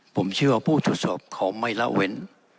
ผมเชื่อว่าผู้ตรวจสอบเขาไม่ละเว้น